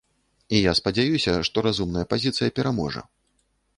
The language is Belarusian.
І я спадзяюся, што разумная пазіцыя пераможа.